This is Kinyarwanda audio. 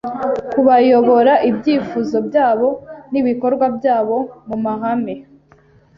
kubayobora ibyifuzo byabo nibikorwa byabo mumahame